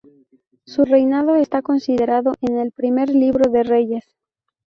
Su reinado está consignado en el Primer Libro de Reyes.